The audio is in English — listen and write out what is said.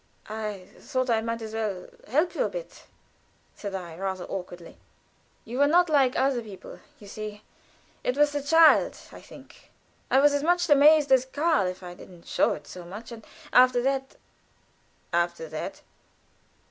"I thought I might as well help you a bit," said I, rather awkwardly. "You were not like other people, you see it was the child, I think. I was as much amazed as Karl, if I didn't show it so much, and after that " "After that?"